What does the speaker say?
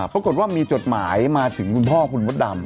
ปรากฏว่ามีจดหมายมาถึงคุณพ่อคุณมดดำ